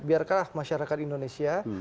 biarkanlah masyarakat indonesia